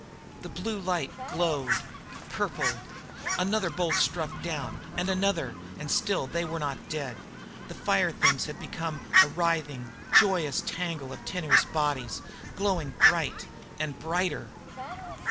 The blue light glowed, purpled. Another bolt struck down, and another, and still they were not dead. The fire things had become a writhing, joyous tangle of tenuous bodies, glowing bright and brighter.